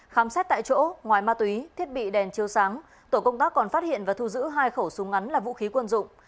khám xét tại chỗ ngoài ma túy thiết bị đèn chiếu sáng tổ công tác còn phát hiện và thu giữ hai khẩu súng ngắn là vũ khí quân dụng